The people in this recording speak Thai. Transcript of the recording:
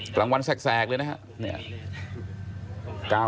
กลางวันแซกเลยนะฮะ